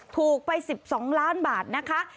ถูกไป๑๒ล้านบาทนะคะ